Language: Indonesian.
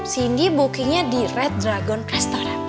cindy booking nya di red dragon restaurant